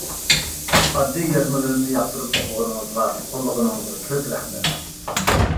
ئاددىي يازمىلىرىمنى ياقتۇرۇپ ئوقۇغىنىڭىزغا، قوللىغىنىڭىزغا كۆپ رەھمەت.